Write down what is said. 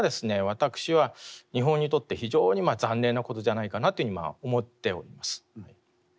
私は日本にとって非常に残念なことじゃないかなというふうに今思っております。